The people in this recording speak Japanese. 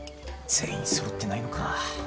全員そろってないのか。